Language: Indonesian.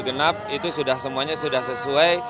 genap itu sudah semuanya sudah sesuai